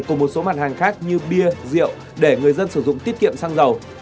cùng một số mặt hàng khác như bia rượu để người dân sử dụng tiết kiệm xăng dầu